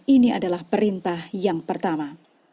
ini adalah perintah yang pertama